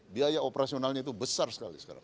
biaya operasionalnya itu besar sekali sekarang